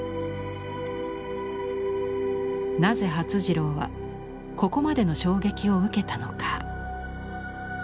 なぜ發次郎はここまでの衝撃を受けたのか。